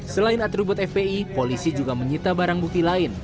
selain atribut fpi polisi juga menyita barang bukti lain